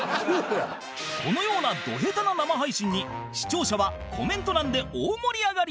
このようなド下手な生配信に視聴者はコメント欄で大盛り上がり